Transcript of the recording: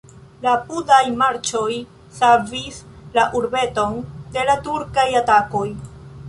La apudaj marĉoj savis la urbeton de la turkaj atakoj.